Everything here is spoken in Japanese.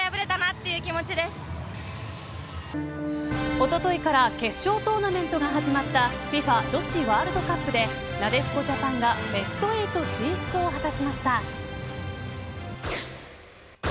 おとといから決勝トーナメントが始まったＦＩＦＡ女子ワールドカップでなでしこジャパンがベスト８進出を果たしました。